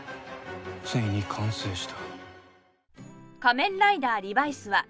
ついに完成した。